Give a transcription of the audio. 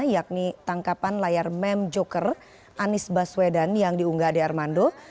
yakni tangkapan layar mem joker anies baswedan yang diunggah ade armando